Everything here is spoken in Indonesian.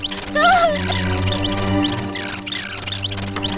kita harus berabat